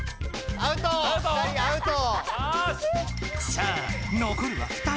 さあ残るは２人。